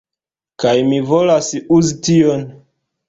Kaj mi volas uzi tion